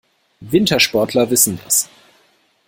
Wintersportler wissen das.